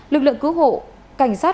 lực lượng cứu hộ cảnh sát